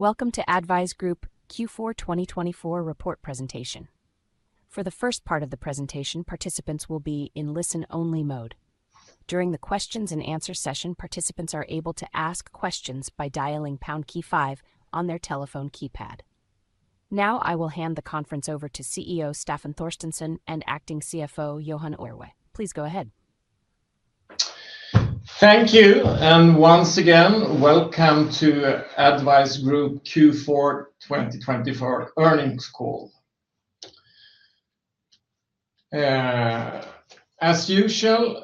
Welcome to ADDvise Group Q4 2024 report presentation. For the first part of the presentation, participants will be in listen-only mode. During the questions-and-answers session, participants are able to ask questions by dialing pound key 5 on their telephone keypad. Now, I will hand the conference over to CEO Staffan Torstensson and Acting CFO Johan Irwe. Please go ahead. Thank you, and once again, welcome to ADDvise Group Q4 2024 earnings call. As usual,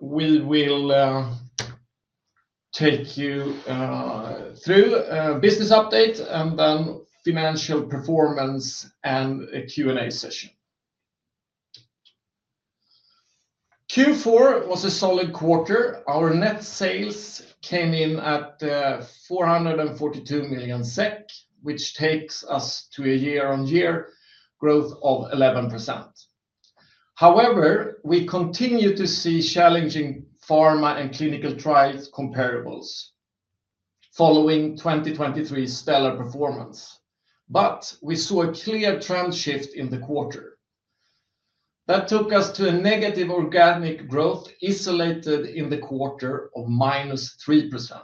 we will take you through a business update and then financial performance and a Q&A session. Q4 was a solid quarter. Our net sales came in at 442 million SEK, which takes us to a year-on-year growth of 11%. However, we continue to see challenging pharma and clinical trials comparables following 2023's stellar performance, but we saw a clear trend shift in the quarter. That took us to a negative organic growth isolated in the quarter of -3%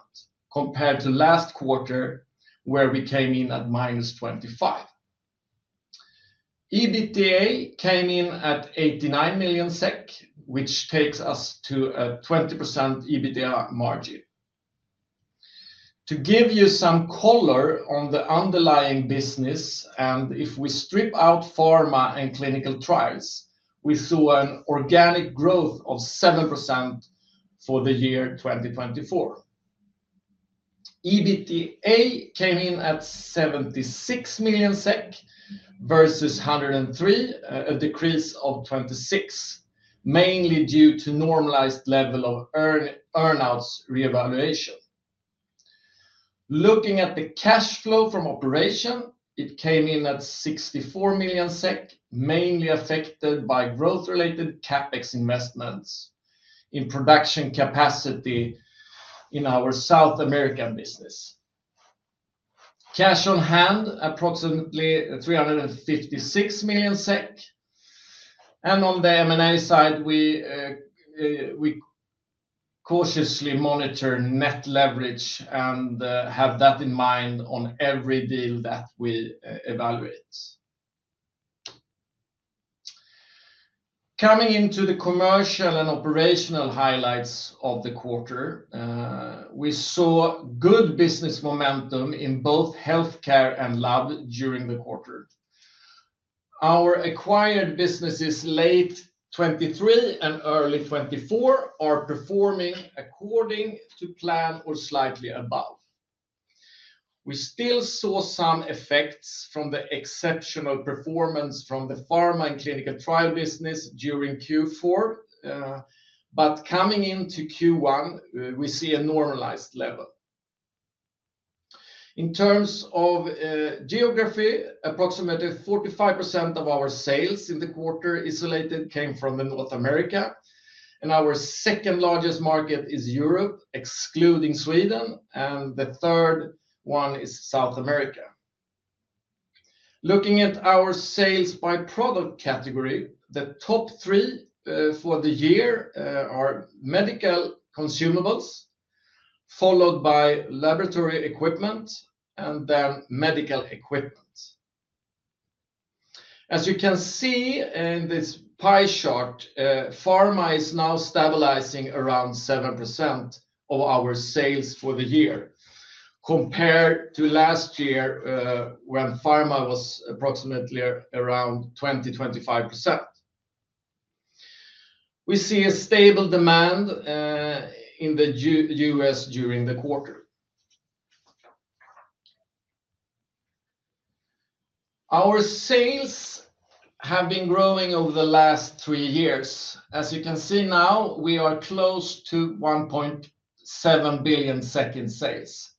compared to last quarter, where we came in at -25%. EBITDA came in at 89 million SEK, which takes us to a 20% EBITDA margin. To give you some color on the underlying business, and if we strip out pharma and clinical trials, we saw an organic growth of 7% for the year 2024. EBITDA came in at 76 million SEK versus 103 million, a decrease of 26 million, mainly due to normalized level of earnouts revaluation. Looking at the cash flow from operation, it came in at 64 million SEK, mainly affected by growth-related CapEx investments in production capacity in our South American business. Cash on hand, approximately 356 million SEK. On the M&A side, we cautiously monitor net leverage and have that in mind on every deal that we evaluate. Coming into the commercial and operational highlights of the quarter, we saw good business momentum in both healthcare and lab during the quarter. Our acquired businesses late 2023 and early 2024 are performing according to plan or slightly above. We still saw some effects from the exceptional performance from the pharma and clinical trial business during Q4, but coming into Q1, we see a normalized level. In terms of geography, approximately 45% of our sales in the quarter isolated came from North America, and our second-largest market is Europe, excluding Sweden, and the third one is South America. Looking at our sales by product category, the top three for the year are medical consumables, followed by laboratory equipment, and then medical equipment. As you can see in this pie chart, pharma is now stabilizing around 7% of our sales for the year, compared to last year when pharma was approximately around 20%-25%. We see a stable demand in the U.S.. during the quarter. Our sales have been growing over the last three years. As you can see now, we are close to 1.7 billion in sales.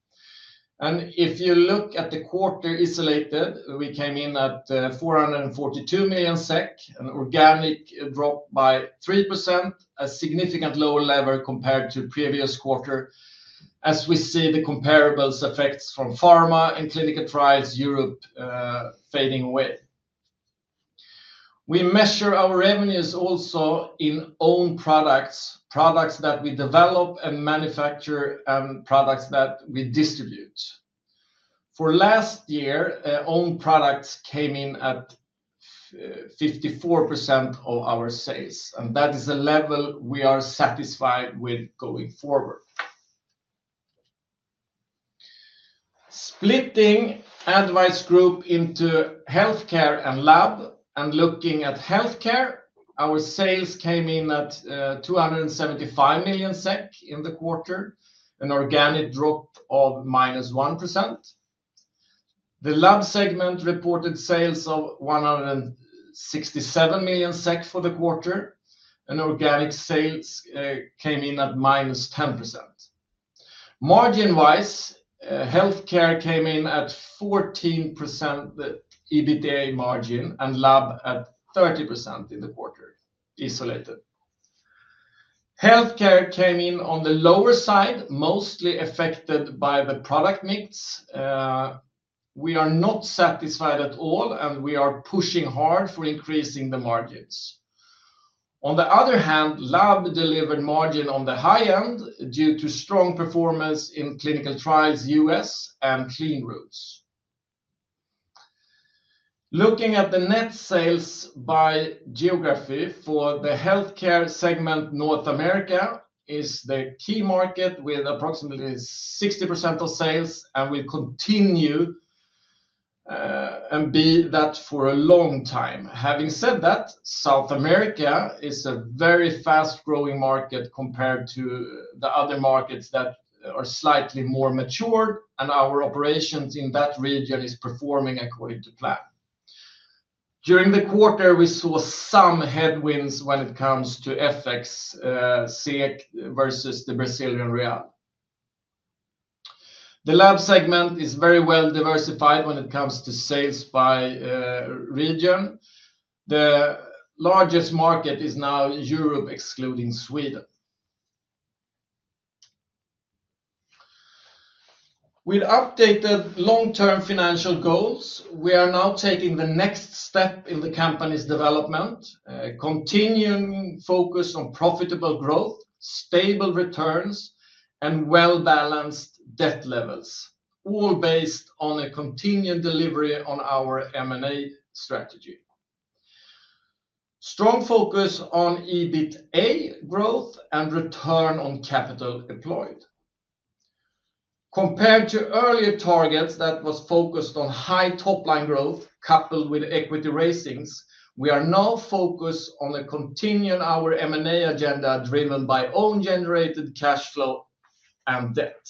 If you look at the quarter isolated, we came in at 442 million SEK, an organic drop by 3%, a significantly lower level compared to the previous quarter, as we see the comparables effects from pharma and clinical trials Europe fading away. We measure our revenues also in own products, products that we develop and manufacture, and products that we distribute. For last year, own products came in at 54% of our sales, and that is a level we are satisfied with going forward. Splitting ADDvise Group into healthcare and lab, and looking at healthcare, our sales came in at 275 million SEK in the quarter, an organic drop of -1%. The lab segment reported sales of 167 million for the quarter, and organic sales came in at -10%. Margin-wise, healthcare came in at 14% EBITDA margin and lab at 30% in the quarter isolated. Healthcare came in on the lower side, mostly affected by the product mix. We are not satisfied at all, and we are pushing hard for increasing the margins. On the other hand, lab delivered margin on the high end due to strong performance in clinical trials U.S. and clean rooms. Looking at the net sales by geography for the healthcare segment, North America is the key market with approximately 60% of sales, and will continue and be that for a long time. Having said that, South America is a very fast-growing market compared to the other markets that are slightly more mature, and our operations in that region are performing according to plan. During the quarter, we saw some headwinds when it comes to FX versus the Brazilian real. The lab segment is very well diversified when it comes to sales by region. The largest market is now Europe, excluding Sweden. With updated long-term financial goals, we are now taking the next step in the company's development, continuing focus on profitable growth, stable returns, and well-balanced debt levels, all based on a continued delivery on our M&A strategy. Strong focus on EBITA growth and return on capital employed. Compared to earlier targets, that was focused on high top-line growth coupled with equity raisings. We are now focused on continuing our M&A agenda driven by own-generated cash flow and debt.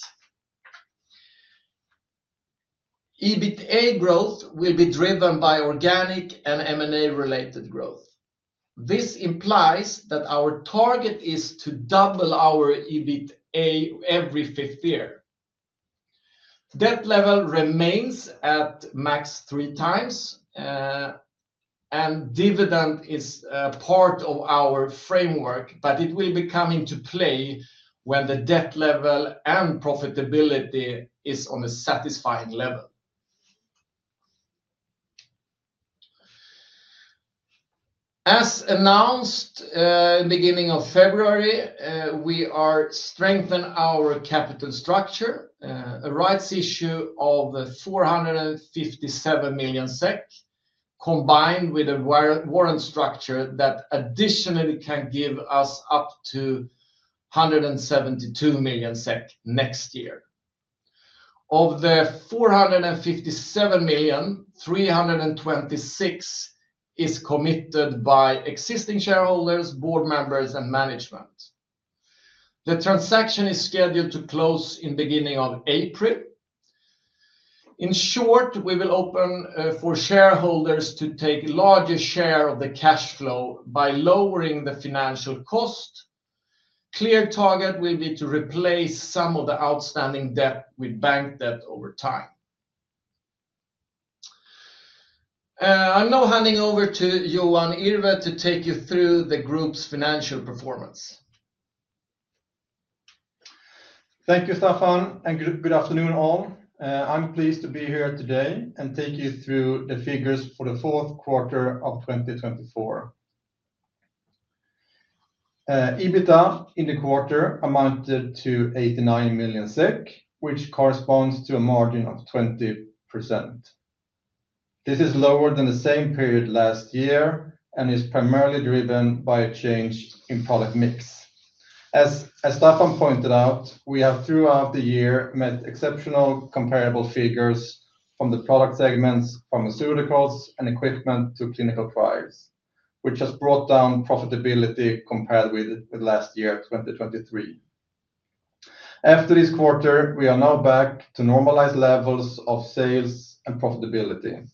EBITA growth will be driven by organic and M&A-related growth. This implies that our target is to double our EBITA every fifth year. Debt level remains at max three times, and dividend is part of our framework, but it will be coming into play when the debt level and profitability are on a satisfying level. As announced in the beginning of February, we are strengthening our capital structure, a rights issue of 457 million SEK, combined with a warrant structure that additionally can give us up to 172 million SEK next year. Of the 457 million, 326 million is committed by existing shareholders, board members, and management. The transaction is scheduled to close in the beginning of April. In short, we will open for shareholders to take a larger share of the cash flow by lowering the financial cost. Clear target will be to replace some of the outstanding debt with bank debt over time. I'm now handing over to Johan Irwe to take you through the group's financial performance. Thank you, Staffan, and good afternoon all. I'm pleased to be here today and take you through the figures for the fourth quarter of 2024. EBITA in the quarter amounted to 89 million SEK, which corresponds to a margin of 20%. This is lower than the same period last year and is primarily driven by a change in product mix. As Staffan pointed out, we have throughout the year met exceptional comparable figures from the product segments, pharmaceuticals, and equipment to clinical trials, which has brought down profitability compared with last year, 2023. After this quarter, we are now back to normalized levels of sales and profitability.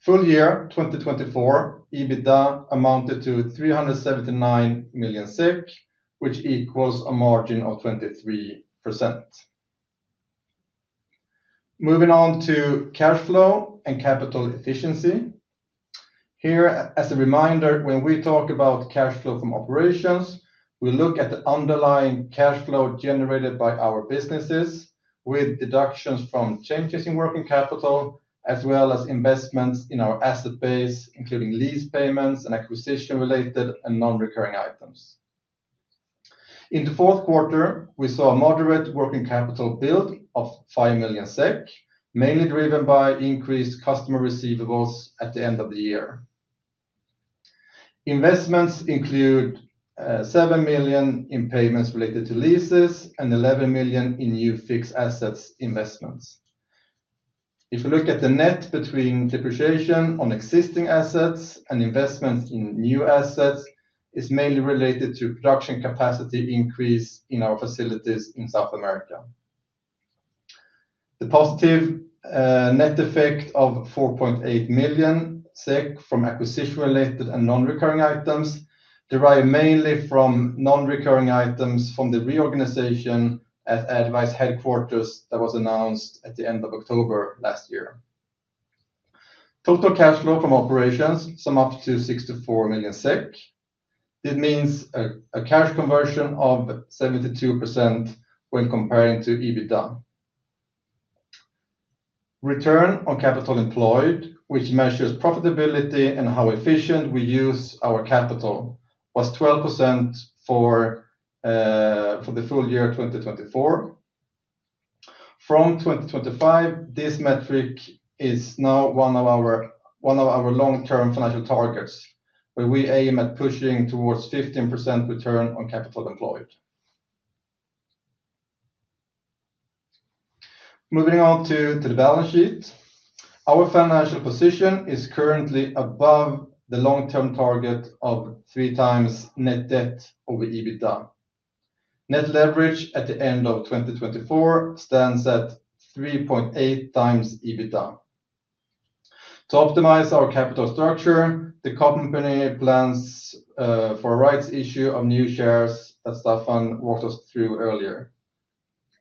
Full-year 2024 EBITA amounted to 379 million, which equals a margin of 23%. Moving on to cash flow and capital efficiency. Here, as a reminder, when we talk about cash flow from operations, we look at the underlying cash flow generated by our businesses with deductions from changes in working capital, as well as investments in our asset base, including lease payments and acquisition-related and non-recurring items. In the fourth quarter, we saw a moderate working capital build of 5 million SEK, mainly driven by increased customer receivables at the end of the year. Investments include 7 million in payments related to leases and 11 million in new fixed assets investments. If you look at the net between depreciation on existing assets and investments in new assets, it's mainly related to production capacity increase in our facilities in South America. The positive net effect of 4.8 million SEK from acquisition-related and non-recurring items derived mainly from non-recurring items from the reorganization at ADDvise headquarters that was announced at the end of October last year. Total cash flow from operations summed up to 64 million SEK. It means a cash conversion of 72% when comparing to EBITDA. Return on capital employed, which measures profitability and how efficient we use our capital, was 12% for the full-year 2024. From 2025, this metric is now one of our long-term financial targets, where we aim at pushing towards 15% return on capital employed. Moving on to the balance sheet, our financial position is currently above the long-term target of three times net debt over EBITDA. Net leverage at the end of 2024 stands at 3.8 times EBITDA. To optimize our capital structure, the company plans for a rights issue of new shares that Staffan walked us through earlier.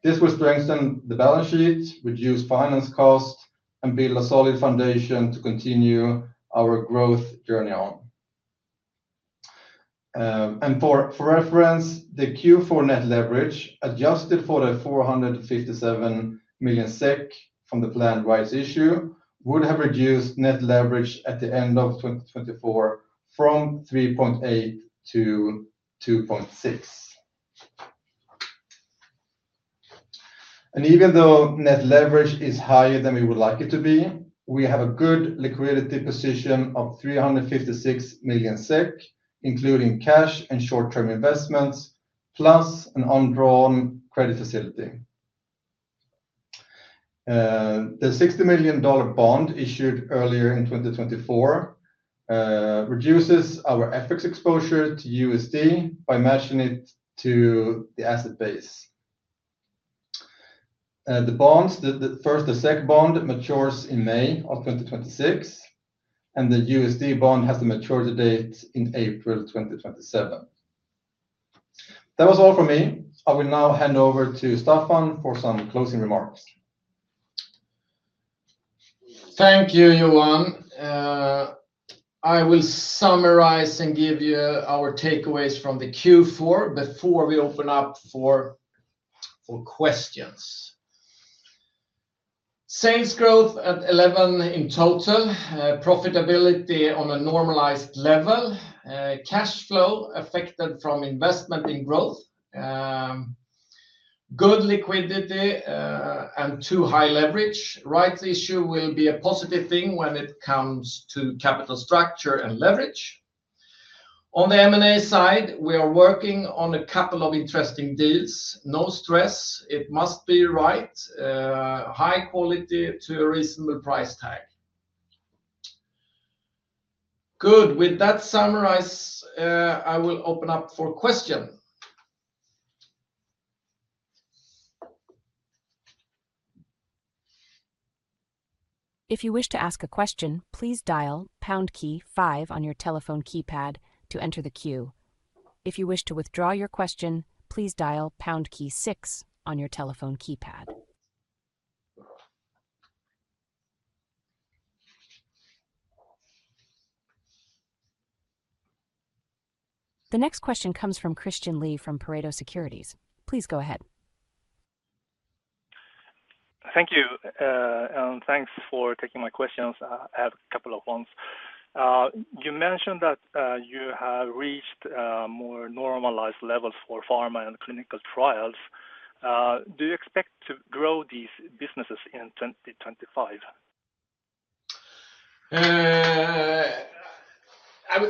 This will strengthen the balance sheet, reduce finance costs, and build a solid foundation to continue our growth journey on. For reference, the Q4 net leverage adjusted for the 457 million SEK from the planned rights issue would have reduced net leverage at the end of 2024 from 3.8 to 2.6. Even though net leverage is higher than we would like it to be, we have a good liquidity position of 356 million SEK, including cash and short-term investments, plus an undrawn credit facility. The $60 million bond issued earlier in 2024 reduces our FX exposure to USD by matching it to the asset base. The bonds, the first, the SEK bond, matures in May of 2026, and the USD bond has a maturity date in April 2027. That was all for me. I will now hand over to Staffan for some closing remarks. Thank you, Johan. I will summarize and give you our takeaways from the Q4 before we open up for questions. Sales growth at 11 in total, profitability on a normalized level, cash flow affected from investment in growth, good liquidity, and too high leverage. Rights issue will be a positive thing when it comes to capital structure and leverage. On the M&A side, we are working on a couple of interesting deals. No stress, it must be right, high quality to a reasonable price tag. Good. With that summarized, I will open up for questions. If you wish to ask a question, please dial pound key five on your telephone keypad to enter the queue. If you wish to withdraw your question, please dial pound key six on your telephone keypad. The next question comes from Christian Lee from Pareto Securities. Please go ahead. Thank you, and thanks for taking my questions. I have a couple of ones. You mentioned that you have reached more normalized levels for pharma and clinical trials. Do you expect to grow these businesses in 2025?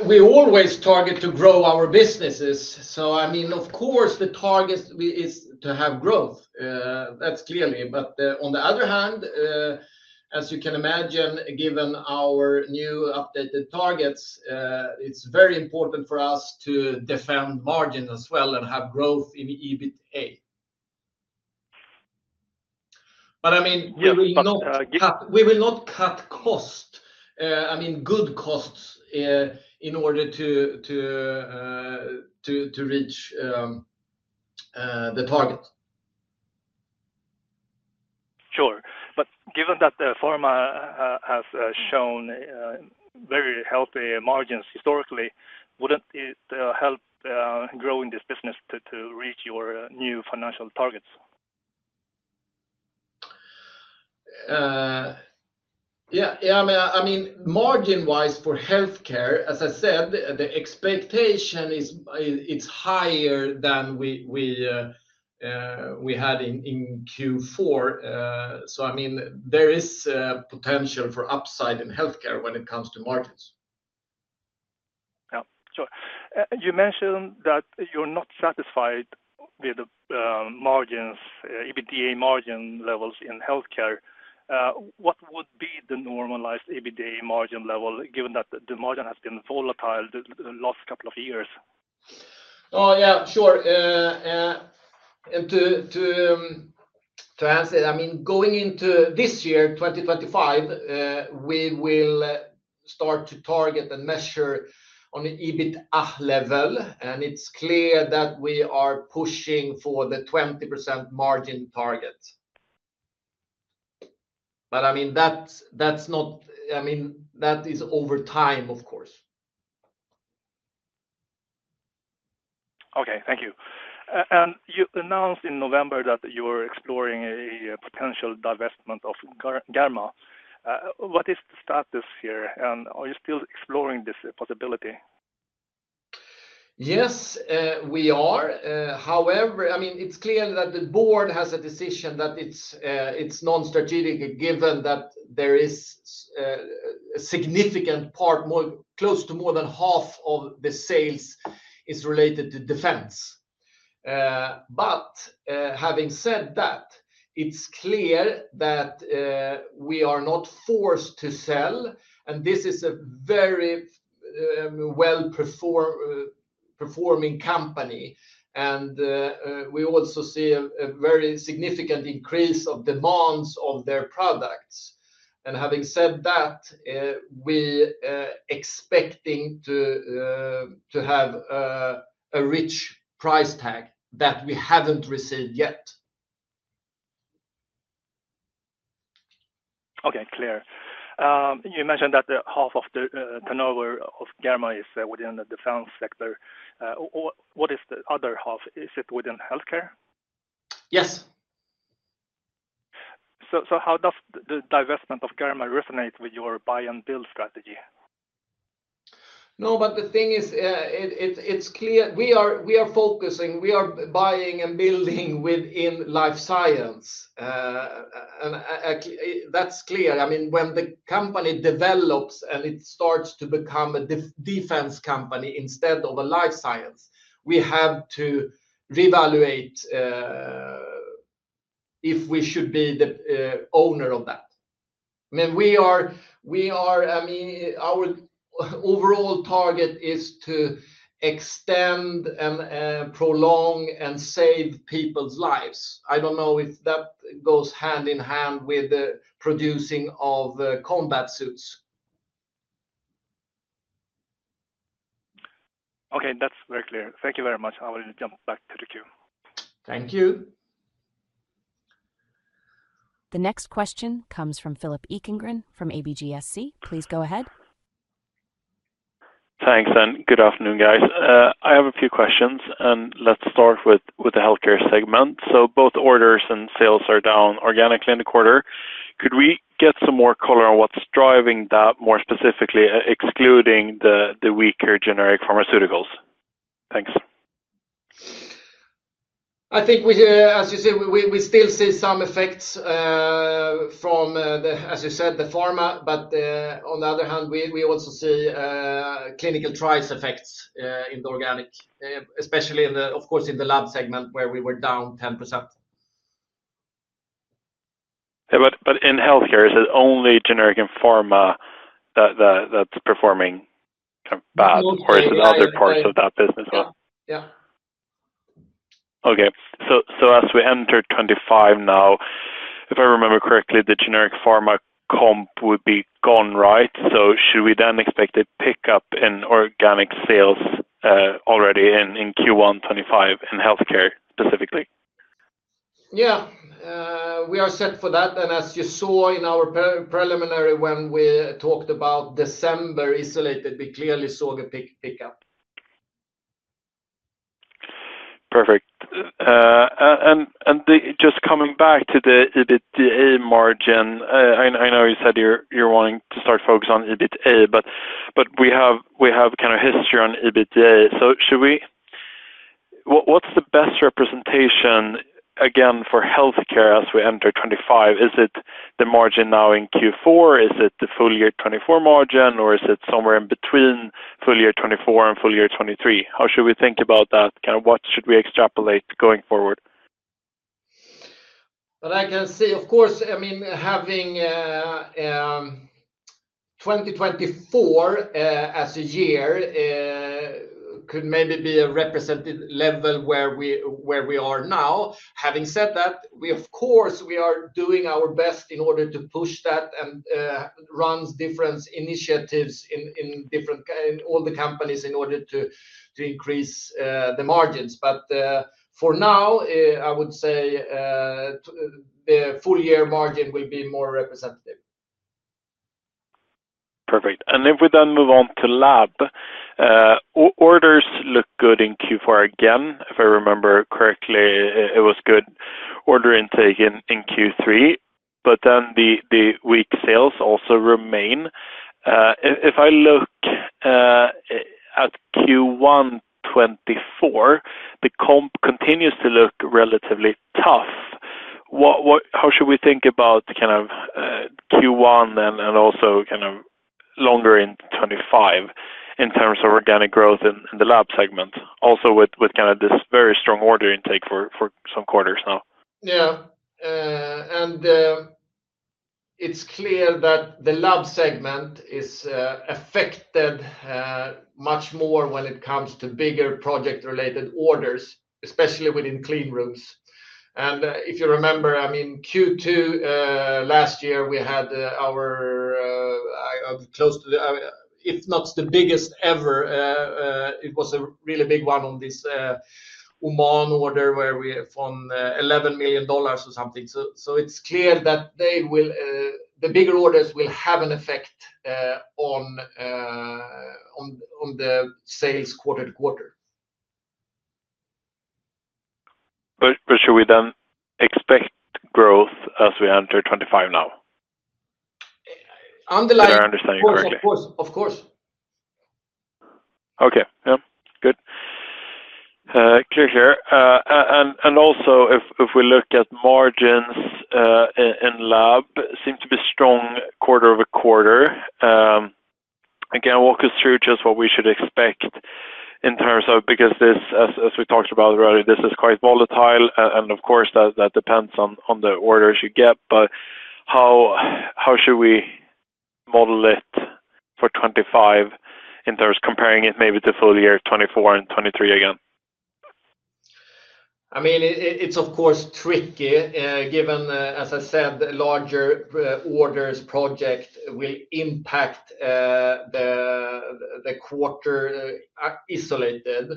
We always target to grow our businesses. I mean, of course, the target is to have growth. That's clearly. On the other hand, as you can imagine, given our new updated targets, it's very important for us to defend margin as well and have growth in EBITA. I mean, we will not cut cost, I mean, good costs in order to reach the target. Sure. Given that the pharma has shown very healthy margins historically, wouldn't it help growing this business to reach your new financial targets? Yeah, yeah, I mean, margin-wise for healthcare, as I said, the expectation is it's higher than we had in Q4. I mean, there is potential for upside in healthcare when it comes to margins. Yeah, sure. You mentioned that you're not satisfied with the margins, EBITA margin levels in healthcare. What would be the normalized EBITA margin level given that the margin has been volatile the last couple of years? Oh, yeah, sure. To answer it, I mean, going into this year, 2025, we will start to target and measure on the EBITA level, and it's clear that we are pushing for the 20% margin target. I mean, that is over time, of course. Okay, thank you. You announced in November that you were exploring a potential divestment of Germa. What is the status here? Are you still exploring this possibility? Yes, we are. However, I mean, it's clear that the board has a decision that it's non-strategic given that there is a significant part, close to more than half of the sales is related to defense. Having said that, it's clear that we are not forced to sell, and this is a very well-performing company. We also see a very significant increase of demands of their products. Having said that, we are expecting to have a rich price tag that we haven't received yet. Okay, clear. You mentioned that half of the turnover of Germa is within the defense sector. What is the other half? Is it within healthcare? Yes. How does the divestment of Germa resonate with your buy-and-build strategy? No, but the thing is, it's clear we are focusing, we are buying and building within life science. And that's clear. I mean, when the company develops and it starts to become a defense company instead of a life science, we have to reevaluate if we should be the owner of that. I mean, we are, I mean, our overall target is to extend and prolong and save people's lives. I don't know if that goes hand in hand with the producing of combat suits. Okay, that's very clear. Thank you very much. I will jump back to the queue. Thank you. The next question comes from Philip Ekengren from ABG Sundal Collier. Please go ahead. Thanks, and good afternoon, guys. I have a few questions, and let's start with the healthcare segment. Both orders and sales are down organically in the quarter. Could we get some more color on what's driving that more specifically, excluding the weaker generic pharmaceuticals? Thanks. I think, as you said, we still see some effects from, as you said, the pharma, but on the other hand, we also see clinical trials effects in the organic, especially in the, of course, in the lab segment where we were down 10%. In healthcare, is it only generic and pharma that's performing kind of bad? Or is it other parts of that business? Yeah. Okay. As we enter 2025 now, if I remember correctly, the generic pharma comp would be gone, right? Should we then expect a pickup in organic sales already in Q1 2025 in healthcare specifically? Yeah, we are set for that. As you saw in our preliminary when we talked about December isolated, we clearly saw a big pickup. Perfect. Just coming back to the EBITA margin, I know you said you're wanting to start focusing on EBITA, but we have kind of history on EBITDA. Should we—what's the best representation, again, for healthcare as we enter 2025? Is it the margin now in Q4? Is it the full-year 2024 margin? Or is it somewhere in between full-year 2024 and full-year 2023? How should we think about that? Kind of what should we extrapolate going forward? I can see, of course, I mean, having 2024 as a year could maybe be a representative level where we are now. Having said that, we, of course, we are doing our best in order to push that and run different initiatives in all the companies in order to increase the margins. For now, I would say the full year margin will be more representative. Perfect. If we then move on to lab, orders look good in Q4 again. If I remember correctly, it was good order intake in Q3, but then the weak sales also remain. If I look at Q1 2024, the comp continues to look relatively tough. How should we think about kind of Q1 and also kind of longer in 2025 in terms of organic growth in the lab segment, also with kind of this very strong order intake for some quarters now? Yeah. It is clear that the lab segment is affected much more when it comes to bigger project-related orders, especially within clean rooms. If you remember, I mean, Q2 last year, we had our close to the—if not the biggest ever, it was a really big one on this Oman order where we found $11 million or something. It is clear that the bigger orders will have an effect on the sales quarter to quarter. Should we then expect growth as we enter 2025 now? Underline. If I understand you correctly. Of course, of course. Okay. Yeah. Good. Clear here. Also, if we look at margins in lab, seem to be strong quarter over quarter. Again, walk us through just what we should expect in terms of—because this, as we talked about already, this is quite volatile. Of course, that depends on the orders you get. How should we model it for 2025 in terms of comparing it maybe to full-year 2024 and 2023 again? I mean, it's, of course, tricky given, as I said, larger orders project will impact the quarter isolated.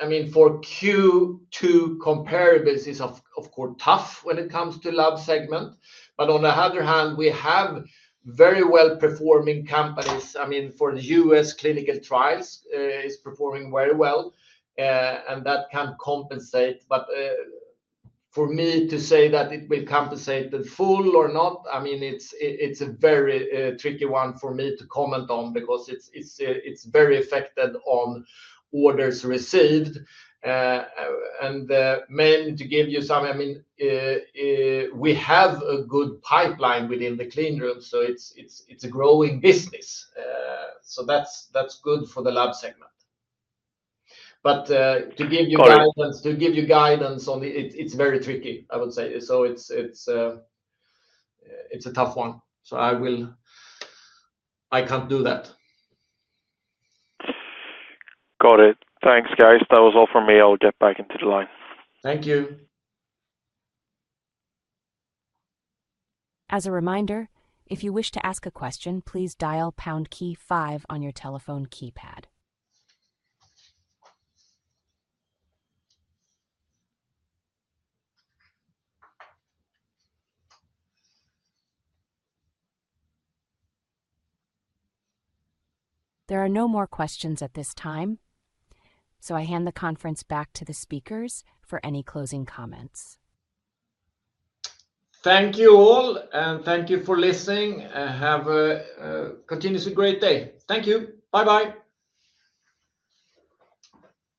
I mean, for Q2 comparables is, of course, tough when it comes to lab segment. On the other hand, we have very well-performing companies. I mean, for the US clinical trials, it's performing very well. That can compensate. For me to say that it will compensate the full or not, I mean, it's a very tricky one for me to comment on because it's very affected on orders received. Mainly to give you some, I mean, we have a good pipeline within the clean room. It's a growing business. That's good for the lab segment. To give you guidance, to give you guidance on it, it's very tricky, I would say. It's a tough one. I can't do that. Got it. Thanks, guys. That was all from me. I'll get back into the line. Thank you. As a reminder, if you wish to ask a question, please dial pound key five on your telephone keypad. There are no more questions at this time. I hand the conference back to the speakers for any closing comments. Thank you all, and thank you for listening. Have a continuously great day. Thank you. Bye-bye.